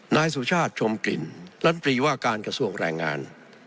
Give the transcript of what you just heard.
นายสุชาติชมกลิ่นรัฐตรีว่าการกระทรวงแรงงาน